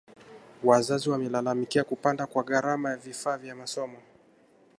wazazi wamelalamikia kupanda kwa gharama ya vifaa vya masomo